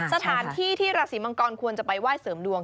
สถานที่ที่ราศีมังกรควรจะไปไหว้เสริมดวง